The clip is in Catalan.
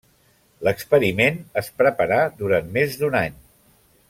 L'experiment es preparà durant més d'un any.